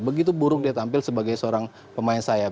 begitu buruk dia tampil sebagai seorang pemain sayap